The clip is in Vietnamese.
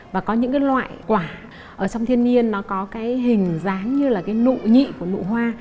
và có những cái loại quả ở trong thiên nhiên nó có cái hình dáng như là cái nụ nhị của nụ hoa